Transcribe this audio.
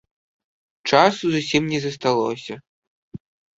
Часу зусім не засталося.